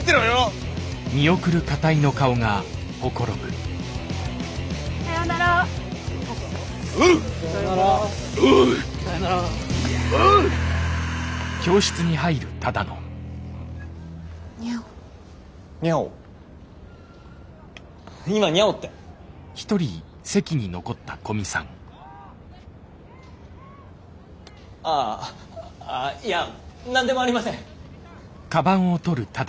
ああいや何でもありません。